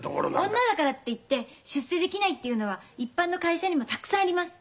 女だからっていって出世できないっていうのは一般の会社にもたくさんあります。